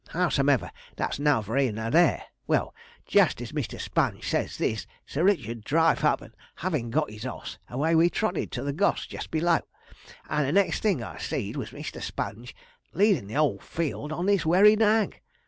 Howsomever, that's nouther here nor there. Well, jist as Mr. Sponge said this, Sir Richard driv' hup, and havin' got his oss, away we trotted to the goss jist below, and the next thing I see'd was Mr. Sponge leadin' the 'ole field on this werry nag.